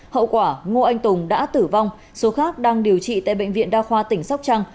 hậu quả ngô anh tùng đã tử vong số khác đang điều trị tại bệnh viện đa khoa tỉnh sóc trăng